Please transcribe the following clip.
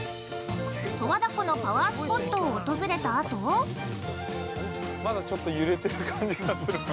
十和田湖のパワースポットを訪れたあと◆まだちょっと揺れてる感じがするかな。